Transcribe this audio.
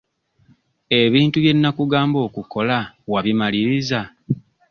Ebintu bye nnakugamba okukola wabimaliriza?